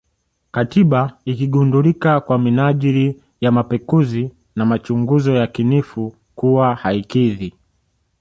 Katiba ikigundulika kwa minajili ya mapekuzi na machunguzo yakinifu kuwa haikidhi